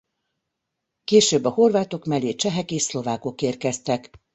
Később a horvátok mellé csehek és szlovákok érkeztek.